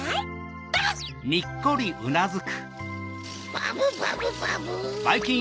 バブバブバブ！